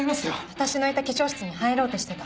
私のいた化粧室に入ろうとしてた。